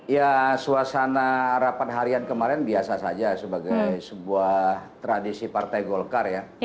ya suasana rapat harian kemarin biasa saja sebagai sebuah tradisi partai golkar ya